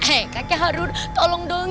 hei kakek harun tolong dong